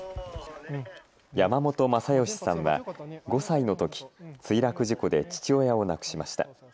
山本昌由さんは５歳のとき墜落事故で父親を亡くしました。